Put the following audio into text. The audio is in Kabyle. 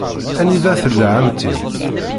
Anida tella ɛemmti-m?